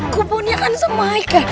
kuponnya kan sama haikal